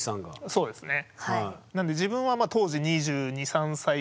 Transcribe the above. そうですね。